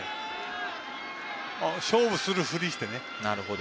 勝負するふりをしてね。